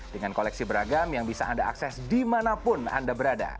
dengan koleksi beragam yang bisa anda akses dimanapun anda berada